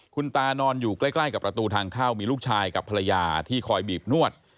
คุณตานอนอยู่ใกล้กับประตูทางเข้ามีลูกชายกับภรรยาที่คอยบีบนวด